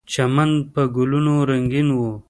چمن په ګلونو رنګین و.